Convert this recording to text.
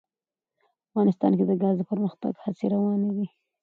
افغانستان کې د ګاز د پرمختګ هڅې روانې دي.